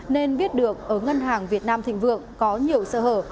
nên biết được ở ngân hàng việt nam thị vượng có nhiều sợ hở